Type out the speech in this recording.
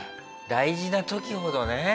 大事な時ほどね。